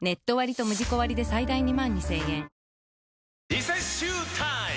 リセッシュータイム！